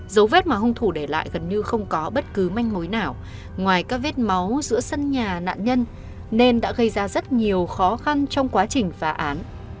dấu vết mà hung thủ để lại gần như không có bất cứ manh mối nào ngoài các vết máu giữa sân nhà nạn nhân nên đã gây ra rất nhiều khó khăn trong quá trình phá án